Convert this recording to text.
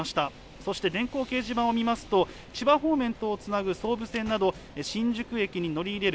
そして電光掲示板を見ますと千葉方面とをつなぐ総武線など新宿駅に乗り入れる